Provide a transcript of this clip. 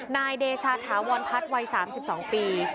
นายเดชาถาวรพัฒน์วัย๓๒ปี